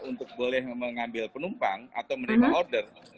untuk boleh mengambil penumpang atau menerima order